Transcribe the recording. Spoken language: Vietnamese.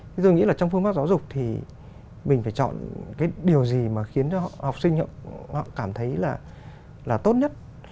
thế tôi nghĩ là trong phương pháp giáo dục thì mình phải chọn cái điều gì mà khiến cho học sinh họ cảm thấy là tốt nhất